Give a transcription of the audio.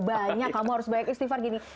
banyak kamu harus banyak istighfar gini